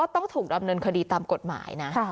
ต้องถูกดำเนินคดีตามกฎหมายนะ